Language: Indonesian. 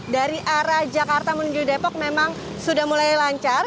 dari arah jakarta menuju depok memang sudah mulai lancar